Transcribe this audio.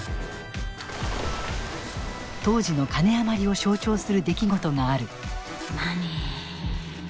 当時の金余りを象徴する出来事がある。